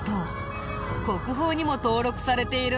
国宝にも登録されているんだ。